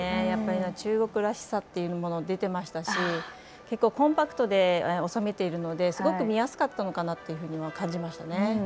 やっぱり中国らしさっていうもの出てましたし結構コンパクトに収めているのですごく見やすかったのかなというふうには感じましたね。